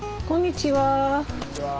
こんにちは。